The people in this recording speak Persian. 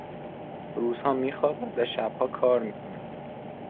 روزها میخوابد و شبها کار میکند.